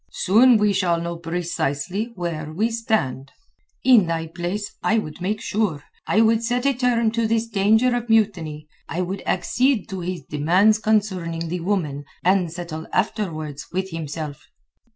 Soon we shall know precisely where we stand." "In thy place I would make sure. I would set a term to this danger of mutiny. I would accede to his demands concerning the woman, and settle afterwards with himself."